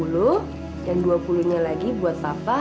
rp dua puluh dan rp dua puluh lagi buat papa